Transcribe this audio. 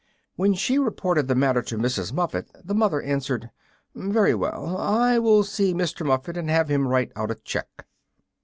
When she reported the matter to Mrs. Muffet the mother answered, "Very well; I will see Mr. Muffet and have him write out a cheque."